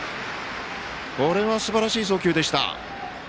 これは、すばらしい送球でした。